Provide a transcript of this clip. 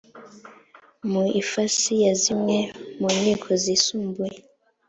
mu ifasi ya zimwe mu nkiko zisumbuye